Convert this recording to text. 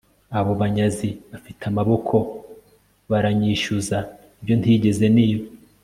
abo banyazi bafite amaboko, baranyishyuza ibyo ntigeze niba